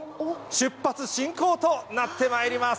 出発進行となってまいります。